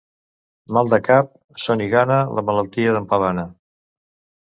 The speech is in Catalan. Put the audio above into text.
Mal de cap, son i gana, la malaltia d'en Pavana.